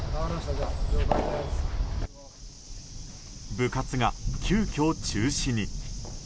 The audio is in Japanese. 部活が急きょ、中止に。